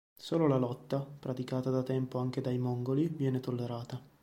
Solo la lotta, praticata da tempo anche dai mongoli, viene tollerata.